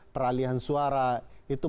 peralihan suara itu